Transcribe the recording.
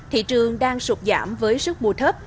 thị trường đang sụt giảm với sức mùa thấp